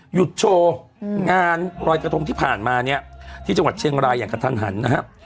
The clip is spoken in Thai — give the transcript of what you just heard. หยุดโชว์งานรอยกระทงที่ผ่านมาเนี่ยที่จังหวัดเชียงรายอย่างกระทันหันนะครับ